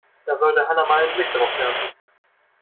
Da sollte Hanna mal einen Blick drauf werfen.